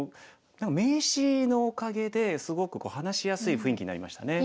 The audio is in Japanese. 名刺のおかげですごく話しやすい雰囲気になりましたね。